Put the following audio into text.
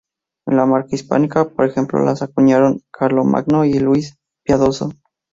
En la Marca Hispánica, por ejemplo, las acuñaron Carlomagno y Luis el Piadoso.